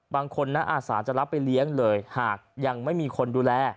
บางคนนะอาสาจะรับไปเลี้ยงเลยหากยังไม่มีคนดูแล